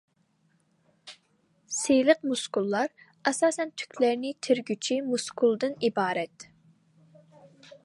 سىلىق مۇسكۇللار ئاساسەن تۈكلەرنى تىرىگۈچى مۇسكۇلدىن ئىبارەت.